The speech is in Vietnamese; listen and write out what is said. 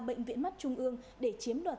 bệnh viện mắt trung ương để chiếm đoạt